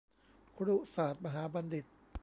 ครุศาสตร์มหาบัณฑิต